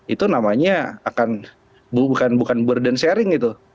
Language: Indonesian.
itu namanya akan bukan burden sharing gitu